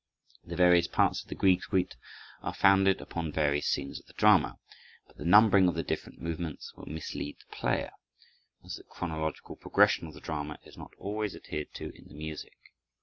The various parts of the Grieg suite are founded upon various scenes of the drama, but the numbering of the different movements will mislead the player, as the chronological progression of the drama is not always adhered to in the music.